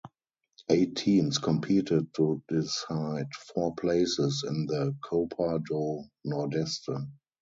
Eight teams competed to decide four places in the Copa do Nordeste.